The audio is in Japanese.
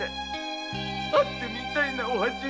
会ってみたいな直八に。